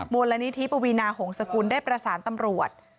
มูลนิธิปวีนาหงษกุลได้ประสานตำรวจ